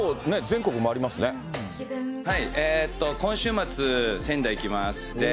今週末、仙台行きます。